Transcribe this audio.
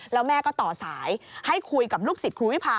แล้วแม่ก็ต่อสายให้คุยกับลูกศิษย์ครูวิพา